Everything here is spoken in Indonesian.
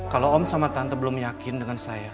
kalau om sama tante belum yakin dengan saya